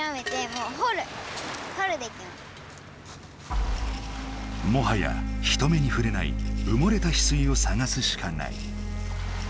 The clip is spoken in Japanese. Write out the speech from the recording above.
もはや人目にふれないうもれたヒスイを探すしかない。